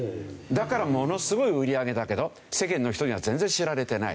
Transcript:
だからものすごい売り上げだけど世間の人には全然知られてない。